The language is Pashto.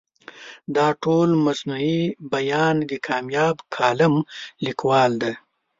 دا ټول موضوعي بیان د کامیاب کالم لیکوال دی.